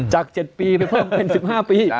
จาก๗ปีไปเพิ่มเป็น๑๕ปี